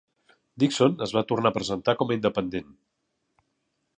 Dixon es va tornar a presentar com a independent.